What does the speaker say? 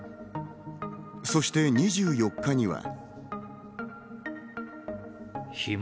そして２４日には。